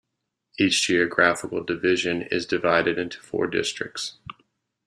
Each geographical division is divided into four Districts.